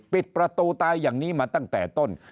ปิดประตูตายอย่างนี้มาตั้งแต่ต้น